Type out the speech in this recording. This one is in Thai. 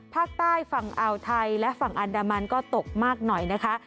ภาคใต้ฝั่งอ่าวไทยและฝั่งอันดามันก็ตกมากหน่อยนะคะ